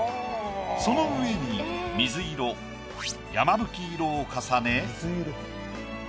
その上に水色やまぶき色を重ね